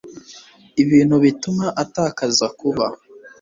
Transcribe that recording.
IBINTU BITUMA ATAKAZA KUBA